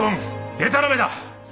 でたらめだ。